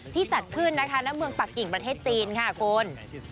จัดขึ้นนะคะณเมืองปักกิ่งประเทศจีนค่ะคุณ